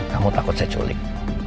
kamu takut saya culik